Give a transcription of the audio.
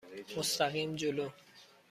مستقیم جلو.